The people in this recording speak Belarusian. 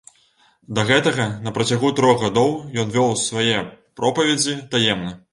Да гэтага, на працягу трох гадоў, ён вёў свае пропаведзі таемна.